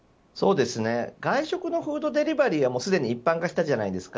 外食のフードデリバリーはすでに一般化したじゃないですか。